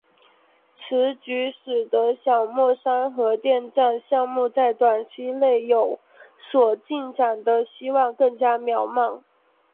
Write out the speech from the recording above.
此举使得小墨山核电站项目在短期内有所进展的希望更加渺茫。